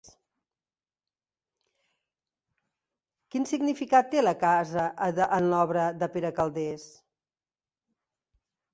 Quin significat té la casa en l'obra de Pere Calders?